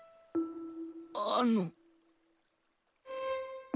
あの。